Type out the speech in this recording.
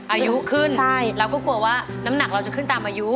อายุขึ้นใช่เราก็กลัวว่าน้ำหนักเราจะขึ้นตามอายุ